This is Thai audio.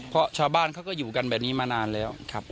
เพราะชาวบ้านเขาก็อยู่กันแบบนี้มานานแล้วครับ